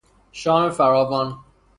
شام فراوان